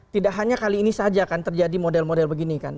tidak hanya kali ini saja kan terjadi model model begini kan